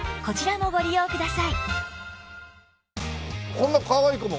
こんなかわいい子も？